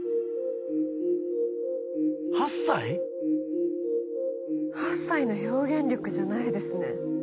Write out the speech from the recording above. ８歳⁉８歳の表現力じゃないですね。